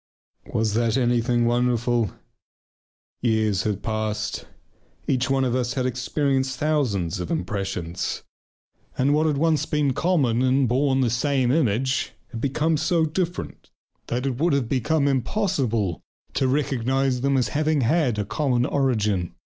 Was that anything wonderful? Years had passed. Each one of us had experienced thousands of impressions, and what had once been common and had borne the same image had become so different that it would have been impossible to recognize them as having had a common origin.